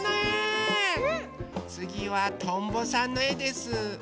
つぎはとんぼさんのえです。